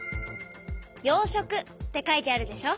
「養殖」って書いてあるでしょ。